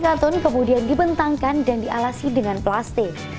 kartun kemudian dibentangkan dan dialasi dengan plastik